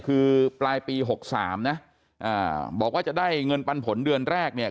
คือปลายปี๖๓นะบอกว่าจะได้เงินปันผลเดือนแรกเนี่ย